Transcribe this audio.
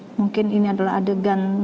mungkin ini adalah adegan